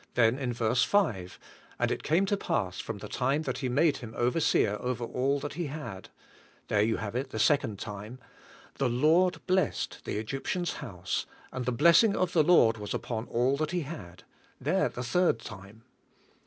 Then in verse 5 : "And it came to pass from the time that he made him overseer over all that he had" — there you have it the second time — "the Lord blessed the Egyptian's house, and the blessing of the Lord was upon all that he had" — there the third time.